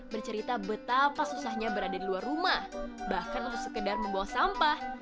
bercerita betapa susahnya berada di luar rumah bahkan untuk sekedar membuang sampah